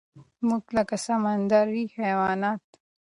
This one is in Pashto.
مونږ لکه سمندري حيوانات